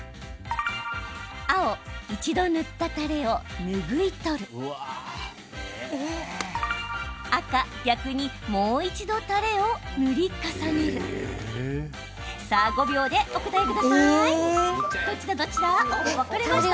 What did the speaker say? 青・一度塗った、たれを拭い取る赤・逆にもう一度たれを塗り重ねるさあ、５秒でお答えください。